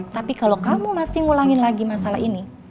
tapi kalau kamu masih ngulangin lagi masalah ini